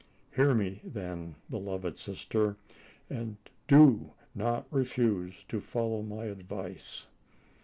Hear me, then, beloved sister, and do not refuse to follow my advice!